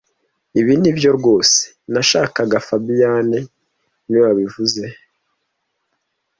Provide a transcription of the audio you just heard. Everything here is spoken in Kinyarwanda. Ibi nibyo rwose nashakaga fabien niwe wabivuze